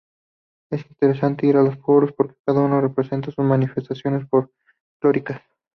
Es interesante ir a los pueblos porque cada uno presenta sus manifestaciones folklóricas.